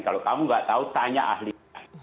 kalau kamu nggak tahu tanya ahlinya